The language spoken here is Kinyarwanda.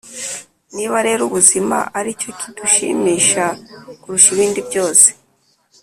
niba rero ubuzima ari cyo kidushimisha kurusha ibindi byose